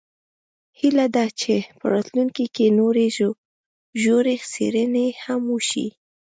هیله ده چې په راتلونکي کې نورې ژورې څیړنې هم وشي